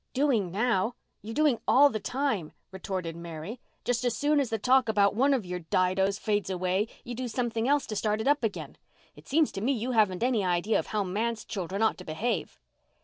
"Doing now! You're doing all the time," retorted Mary. "Just as soon as the talk about one of your didos fades away you do something else to start it up again. It seems to me you haven't any idea of how manse children ought to behave!"